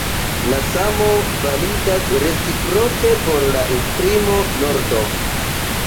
La samo validas reciproke por la esprimo Nordo.